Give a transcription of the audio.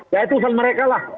ya itu hal mereka lah